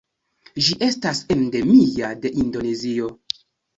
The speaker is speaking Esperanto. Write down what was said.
Ĝi estas endemia de Indonezio.